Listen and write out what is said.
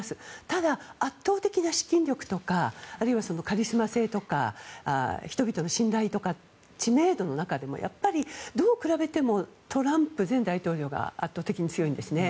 ただ、圧倒的な資金力とかあるいはカリスマ性とか人々の信頼とか知名度の中でもやっぱりどう比べてもトランプ前大統領が圧倒的に強いんですね。